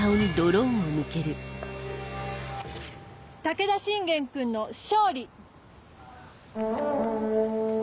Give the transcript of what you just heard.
武田信玄君の勝利！